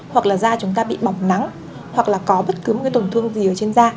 hoặc là da chúng ta bị bỏng nắng hoặc là có bất cứ một cái tổn thương gì ở trên da